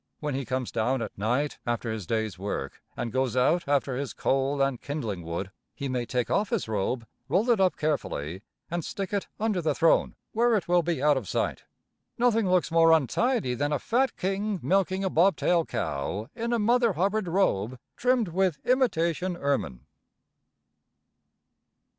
When he comes down at night, after his day's work, and goes out after his coal and kindling wood, he may take off his robe, roll it up carefully, and stick it under the throne, where it will be out of sight. Nothing looks more untidy than a fat king milking a bobtail cow in a Mother Hubbard robe trimmed with imitation ermine.